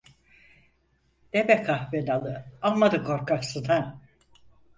De be kahpe nalı, amma da korkaksın ha…